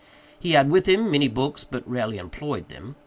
He had with him many books, but rarely employed them.